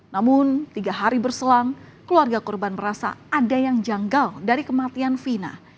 namun tiga hari berselang keluarga korban merasa ada yang janggal dari kematian fina